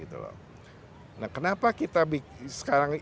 nah kenapa kita sekarang